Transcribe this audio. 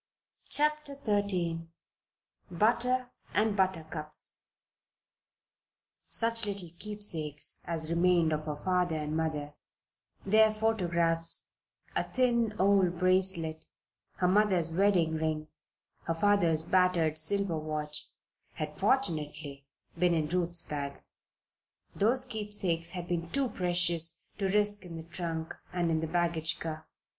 CHAPTER XIII BUTTER AND BUTTERCUPS Such little keepsakes as remained of her father and mother their photographs, a thin old bracelet, her mother's wedding ring, her father's battered silver watch had fortunately been in Ruth's bag. Those keepsakes had been too precious to risk in the trunk and in the baggage car.